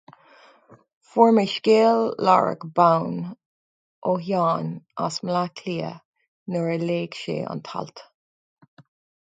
Fuair mé scéal láithreach bonn ó Sheán as Baile Átha Cliath nuair a léigh sé an t-alt.